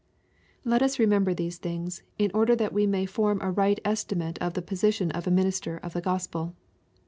Let us remember these things, in order that we may form a right estimate of the position of a minister of the Gospel.